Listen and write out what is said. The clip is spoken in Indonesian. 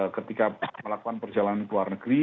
ketika melakukan perjalanan ke luar negeri